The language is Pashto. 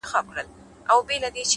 د زاړه دفتر میز د ګڼو ورځو نښې لري’